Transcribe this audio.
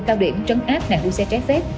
cao điểm trấn áp nạn u xe trái phép